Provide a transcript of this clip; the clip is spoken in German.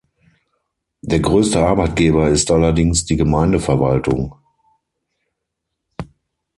Der größte Arbeitgeber ist allerdings die Gemeindeverwaltung.